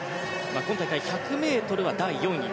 今大会１００ｍは第４位。